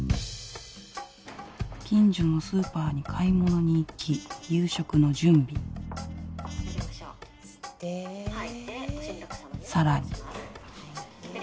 近所のスーパーに買い物に行き夕食の準備吸って吐いて。